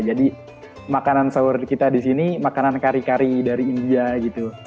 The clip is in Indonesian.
jadi makanan sahur kita di sini makanan kari kari dari india gitu